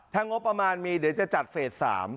ถ้างบประมาณมีเดี๋ยวจะจัดเฟส๓